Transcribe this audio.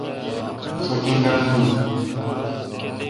سو کنگال بیل۔